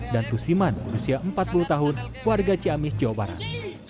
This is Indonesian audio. dan tusiman berusia empat puluh tahun warga ciamis jawa barat